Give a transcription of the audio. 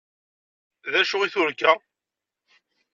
D acu i turga?